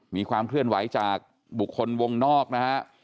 มีความเคลื่อนไหวจากบุคคลวงนอกนะฮะ